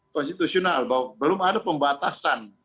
konstitusional bahwa belum ada pembatasan